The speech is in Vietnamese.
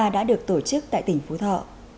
đã được tổ chức tại tỉnh phú thọ